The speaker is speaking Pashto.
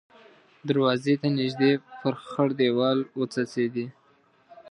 دروازې ته نږدې پر خړ دېوال وڅڅېدې.